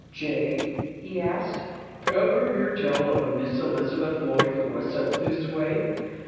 "Jake," he asked, "ever hear tell of a Miss Elizabeth Lloyd Lewis up this way?"